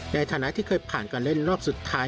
ในฐานะที่เคยผ่านการเล่นรอบสุดท้าย